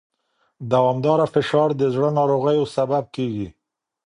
دوامداره فشار د زړه ناروغیو سبب کېږي.